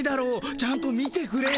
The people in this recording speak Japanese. ちゃんと見てくれよ。